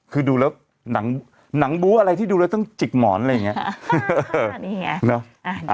คือดูแล้วหนังบู้อะไรที่ดูแล้วต้องจิกหมอนอะไรอย่างนี้